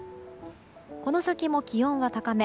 この先も気温は高め。